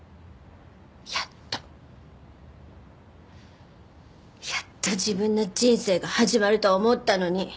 やっとやっと自分の人生が始まると思ったのに。